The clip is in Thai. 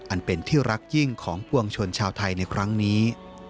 อันเป็นที่รักยิ่งของปวงชนชาวไทยในครั้งนี้